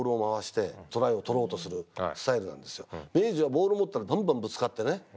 明治はボール持ったらバンバンぶつかってね。